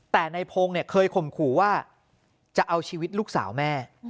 แต่ในพงศ์เนี่ยเคยข่มขู่ว่าจะเอาชีวิตลูกสาวแม่